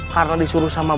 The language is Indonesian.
karena disuruh serta merta